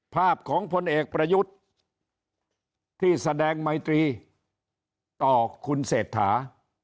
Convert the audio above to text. ภาพของพลเอกประยุทธ์ที่แสดงไมตรีต่อคุณเศรษฐา